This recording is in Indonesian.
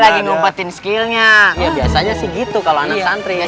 lagi ngumpetin skillnya ya biasanya segitu kalau anak santri ya